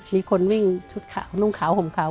มีคนวิ่งชุดขาวนุ่งขาวห่มขาว